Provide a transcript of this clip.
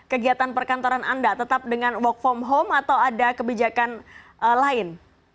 kegiatan perkantoran anda tetap dengan work from home atau ada kebijakan lain